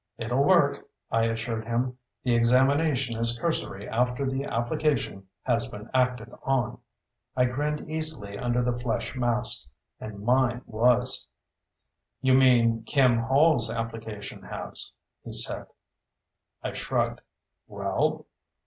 "It'll work," I assured him. "The examination is cursory after the application has been acted on." I grinned easily under the flesh mask. "And mine has." "You mean Kim Hall's application has," he said. I shrugged. "Well?"